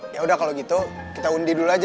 yaudah kalau gitu kita undi dulu aja